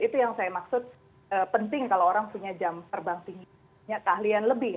itu yang saya maksud penting kalau orang punya jam terbang tinggi punya keahlian lebih